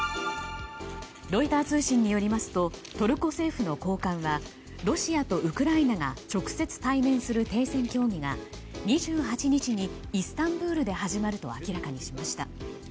ロイター通信によりますとトルコ政府の高官はロシアとウクライナが直接対面する停戦協議が２８日にイスタンブールで始まると明らかにしました。